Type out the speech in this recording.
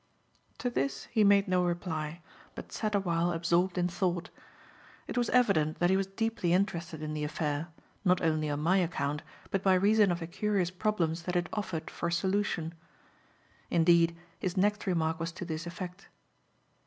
To this he made no reply, but sat a while absorbed in thought. It was evident that he was deeply interested in the affair, not only on my account but by reason of the curious problems that it offered for solution. Indeed, his next remark was to this effect.